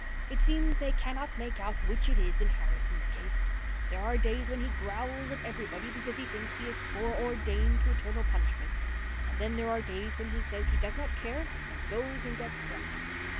It seems they cannot make out which it is in Harrison's case. There are days when he growls at everybody because he thinks he is fore ordained to eternal punishment. And then there are days when he says he does not care and goes and gets drunk.